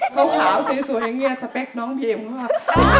ข้าวสีสวยอย่างเงี้ยสเปคน้องเพียมมาก